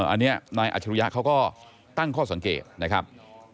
อันนี้นายอัชรุยะเขาก็ตั้งข้อสังเกตนะครับ